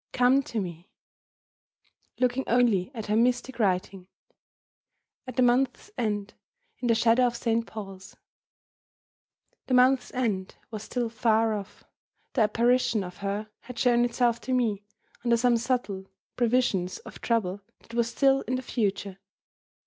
Come to me;" looking only at her mystic writing, "At the month's end, In the shadow of Saint Paul's." The month's end was still far off; the apparition of her had shown itself to me, under some subtle prevision of trouble that was still in the future.